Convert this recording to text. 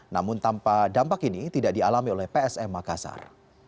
namun tanpa dampak ini tidak dialami oleh psm makassar